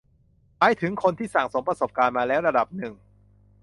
หมายถึงคนที่สั่งสมประสบการณ์มาแล้วระดับหนึ่ง